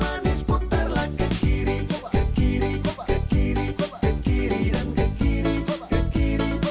và lịch sử việt nam